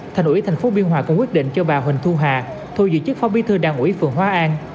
thành ủy tp biên hòa cũng quyết định cho bà huỳnh thu hà thôi giữ chức phó bí thư đảng ủy phường hóa an